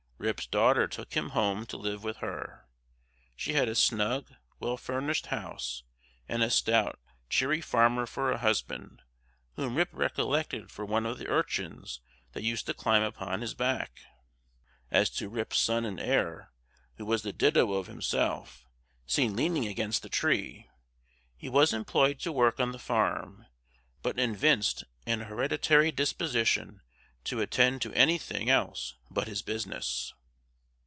Rip's daughter took him home to live with her; she had a snug, well furnished house, and a stout cheery farmer for a husband, whom Rip recollected for one of the urchins that used to climb upon his back. As to Rip's son and heir, who was the ditto of himself, seen leaning against the tree, he was employed to work on the farm; but evinced an hereditary disposition to attend to any thing else but his business.